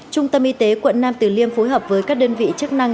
trung tâm y tế quận nam tử liêm phối hợp với các đơn vị chức năng